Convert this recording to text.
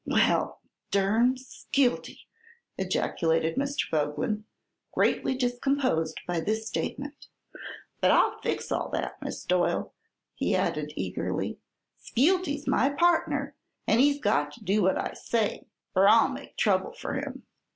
"Well durn Skeelty!" ejaculated Mr. Boglin, greatly discomposed by this statement. "But I'll fix all that, Miss Doyle," he added, eagerly. "Skeelty's my partner and he's got to do what I say or I'll make trouble for him.